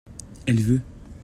elle veut.